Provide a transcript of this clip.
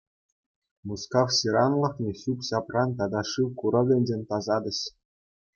Мускав ҫыранлӑхне ҫӳп-ҫапран тата шыв курӑкӗнчен тасатӗҫ.